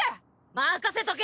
任せとけ。